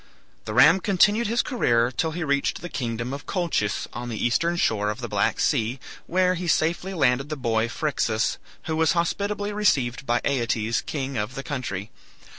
The ram continued his career till he reached the kingdom of Colchis, on the eastern shore of the Black Sea, where he safely landed the boy Phryxus, who was hospitably received by Aeetes, king of the country.